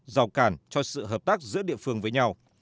rào cản cho sự hợp tác giữa địa phương với nhau